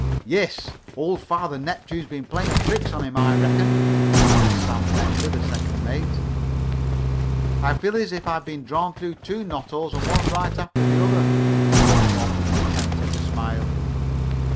"Yes, old Father Neptune has been playing tricks on him, I reckon," added Sam Bender, the second mate. "I feel as if I had been drawn through two knot holes, one right after the other," spoke Bob, with an attempt at a smile.